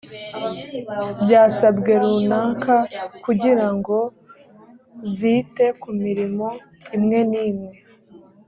byasabwe runaka kugira ngo zite ku mirimo imwe n imwe